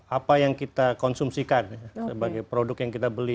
apa yang kita konsumsikan sebagai produk yang kita beli